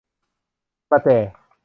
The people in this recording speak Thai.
ประแจ